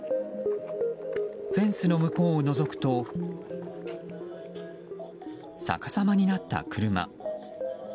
フェンスの向こうをのぞくとさかさまになった車。